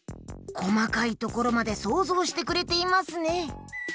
こまかいところまでそうぞうしてくれていますね。